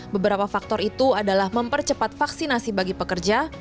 beberapa faktor itu adalah mempercepat vaksinasi bagi pekerja